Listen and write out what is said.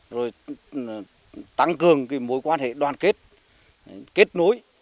rồi tăng cường mối quan hệ đoàn kết kết nối